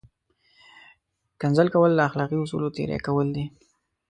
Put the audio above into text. کنځل کول له اخلاقي اصولو تېری کول دي!